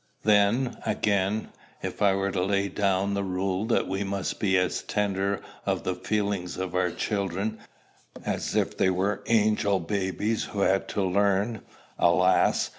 Then, again, if I were to lay down the rule that we must be as tender of the feelings of our children as if they were angel babies who had to learn, alas!